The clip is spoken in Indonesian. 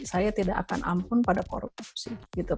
saya tidak akan ampun pada korupsi